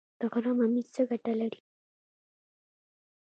د غره ممیز څه ګټه لري؟